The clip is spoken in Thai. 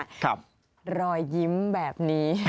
รอยยิ้มแบบนี้